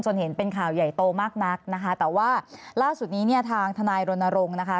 ส่วนเห็นเป็นข่าวใหญ่โตมากนักนะคะแต่ว่าล่าสุดนี้เนี่ยทางทนายรณรงค์นะคะ